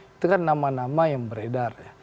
itu kan nama nama yang beredar ya